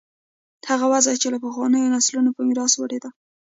هغه وضع چې له پخوانیو نسلونو په میراث وړې ده.